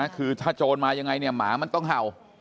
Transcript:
คือถ้าโจรมายังไงเนี่ยหมามันต้องเห่า